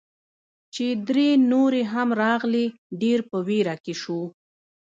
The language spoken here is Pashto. چې درې نورې هم راغلې، ډېر په ویره کې شوو.